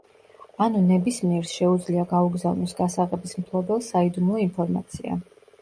ანუ ნებისმიერს შეუძლია გაუგზავნოს გასაღების მფლობელს საიდუმლო ინფორმაცია.